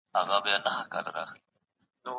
که کارګران مهارت ولري زاړه ماشينونه به هم ښه کار وکړي.